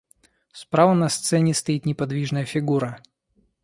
Справа на сцене стоит неподвижная фигура.